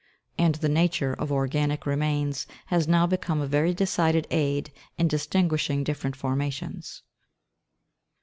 And the nature of organic remains has now become a very decided aid in distinguishing different formations.